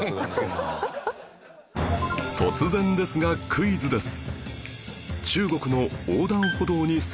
突然ですがクイズです